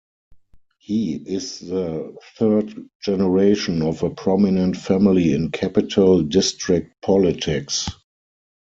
He is the third generation of a prominent family in Capital District politics.